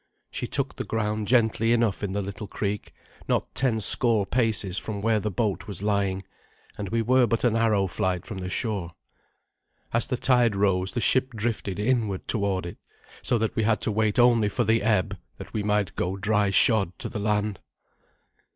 She took the ground gently enough in the little creek, not ten score paces from where the boat was lying, and we were but an arrow flight from the shore. As the tide rose the ship drifted inward toward it, so that we had to wait only for the ebb that we might go dry shod to the land.